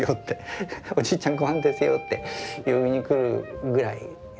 「おじいちゃんごはんですよ」って呼びに来るぐらい。